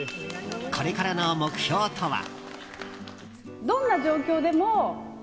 これからの目標とは？